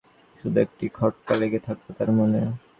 শুধু একটি খটকা লেগে থাকল তার মনে।